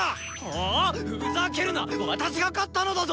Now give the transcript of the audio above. はっ⁉ふざけるな私が狩ったのだぞ！